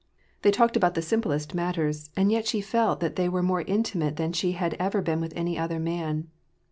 They talked about the simplest matters, and yet she felt that thej were more intimate than she had ever been with any other man.